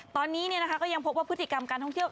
ตอนนี้ก็ยังพบว่าพฤติกรรมการท่องเที่ยว